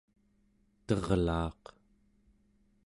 terlaaq